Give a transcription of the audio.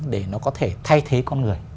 để nó có thể thay thế con người